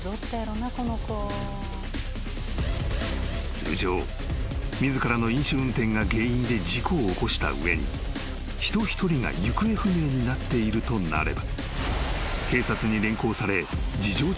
［通常自らの飲酒運転が原因で事故を起こした上に人一人が行方不明になっているとなれば］